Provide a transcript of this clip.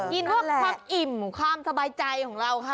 กินเพื่อความอิ่มความสบายใจของเราค่ะ